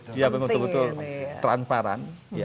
dia betul betul transparan